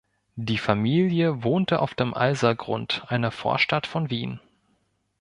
Die Familie wohnte auf dem Alsergrund, einer Vorstadt von Wien.